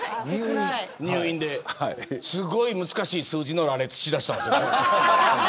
すごい難しい数字の羅列しだしたんです。